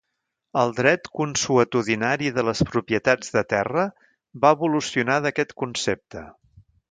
El dret consuetudinari de les propietats de terra va evolucionar d'aquest concepte.